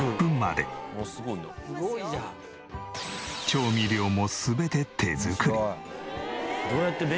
調味料も全て手作り。